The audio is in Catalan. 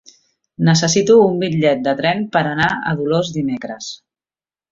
Necessito un bitllet de tren per anar a Dolors dimecres.